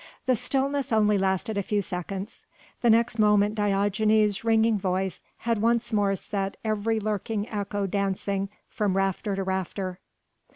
The stillness only lasted a few seconds: the next moment Diogenes' ringing voice had once more set every lurking echo dancing from rafter to rafter.